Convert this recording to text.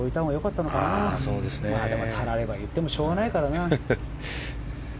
たられば言ってもしょうがないからな。